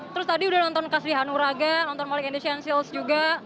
terus tadi udah nonton kaslihan uraga nonton malik indonesian seals juga